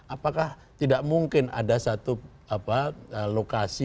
apakah tidak mungkin ada satu lokasi